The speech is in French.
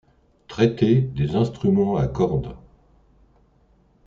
Traités des instruments à cordes.